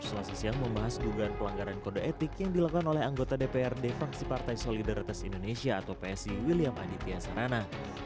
selasa siang membahas dugaan pelanggaran kode etik yang dilakukan oleh anggota dprd fraksi partai solidaritas indonesia atau psi william aditya sarana